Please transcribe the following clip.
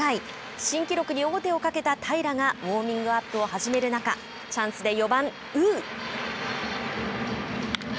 新記録に王手をかけた平良がウオーミングアップを始める中チャンスで４番呉。